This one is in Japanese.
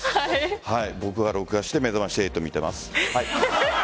僕は録画して「めざまし８」見ています。